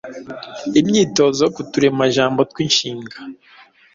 Imyitozo ku turemajambo tw'inshinga